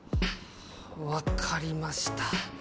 分かりました。